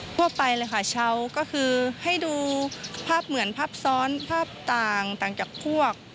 ทั่วไปเลยค่ะเช้าก็คือให้ดูภาพเหมือนภาพซ้อนภาพต่างจากพวก